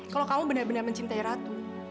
kalau kamu benar benar mencintai ratu